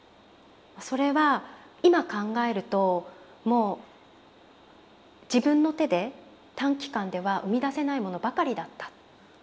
それは今考えるともう自分の手で短期間では生み出せないものばかりだった。